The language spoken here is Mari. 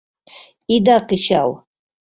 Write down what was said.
— Ида кычал!